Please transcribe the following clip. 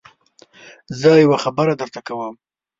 زه يوه خبره درته کوم.